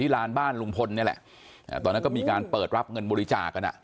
พญานาคหน้าบ้านเหรอครับ